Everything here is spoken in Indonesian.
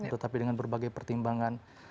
tetapi dengan berbagai pertimbangan